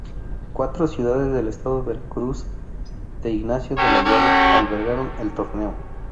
Cuatro ciudades del estado Veracruz de Ignacio de la Llave albergaron el torneo.